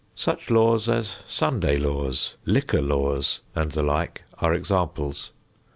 Such laws as Sunday laws, liquor laws and the like are examples.